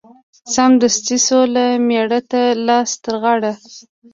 سمدستي سوله مېړه ته لاس ترغاړه